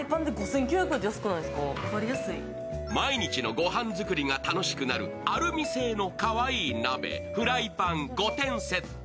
毎日の御飯作りが楽しくなるアルミ製の鍋、フライパン、５点セット。